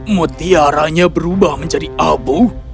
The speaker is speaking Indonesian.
mutiaranya berubah menjadi abu